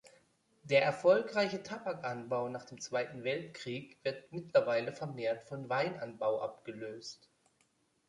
Der erfolgreiche Tabakanbau nach dem Zweiten Weltkrieg wird mittlerweile vermehrt von Weinanbau abgelöst.